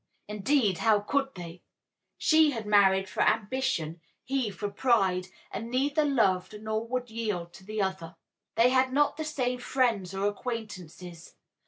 Indeed, how could they? She had married for ambition, he for pride, and neither loved nor would yield to the other. They had not the same friends or acquaintances.